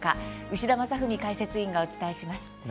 牛田正史解説委員がお伝えします。